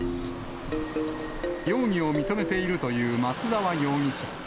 容疑を認めているという松沢容疑者。